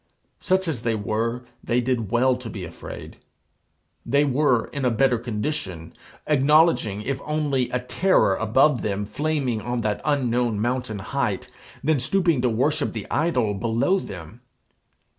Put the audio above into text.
Such as they were, they did well to be afraid. They were in a better condition, acknowledging if only a terror above them, flaming on that unknown mountain height, than stooping to worship the idol below them.